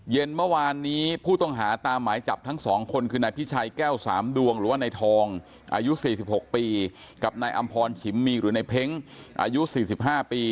เย็นเมื่อวานนี้ผู้ต้องหาตามหมายจับทั้ง๒คนคือนายพิชัยแก้ว๓ดวงหรือว่านายทองอายุ๔๖ปีกับนายอำพรฉิมมีหรือในเพ้งอายุ๔๕ปี